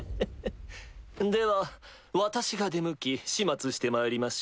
では私が出向き始末してまいりましょう。